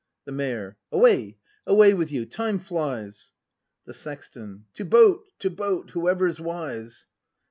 The Mayor. Away — away with you! time flies! The Sexton. To boat, to boat, whoever's wise!